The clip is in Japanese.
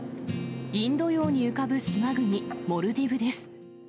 インド洋に浮かぶ島国、モルディブです。